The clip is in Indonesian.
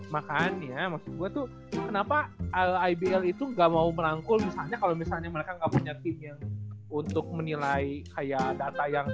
makan ya maksud gua tuh kenapa ibl itu gak mau melangkul misalnya kalo mereka gak punya team yang untuk menilai data yang